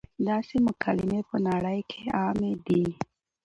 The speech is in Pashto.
داسې مکالمې پۀ نړۍ کښې عامې دي -